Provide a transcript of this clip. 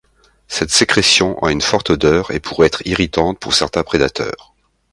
Cette sécrétion a une forte odeur et pourrait être irritante pour certains prédateurs.